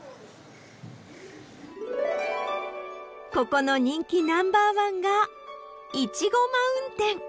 ここの人気ナンバーワンがいちごマウンテン。